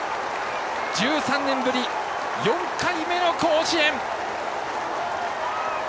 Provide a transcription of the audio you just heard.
１３年ぶり４回目の甲子園！